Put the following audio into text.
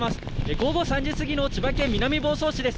午後３時過ぎの千葉県南房総市です。